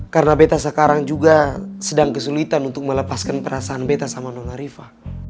karena betta sekarang juga sedang kesulitan untuk melepaskan perasaan betta sama nona riva